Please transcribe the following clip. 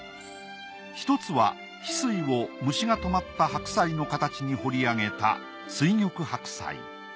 １つは翡翠を虫がとまった白菜の形に彫りあげた『翠玉白菜』。